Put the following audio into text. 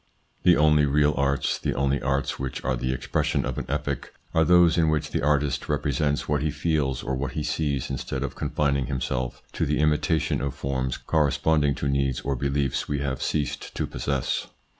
The only real arts, the only arts which are the expression of an epoch, are those in which the artist represents what he feels or what he sees instead of confining himself to the imitation of forms corre sponding to needs or beliefs we have ceased to possess.